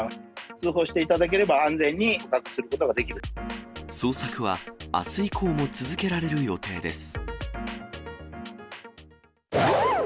通報していただければ、安全に捕捜索はあす以降も続けられる予定です。